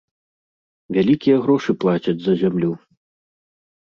Вялікія грошы плацяць за зямлю.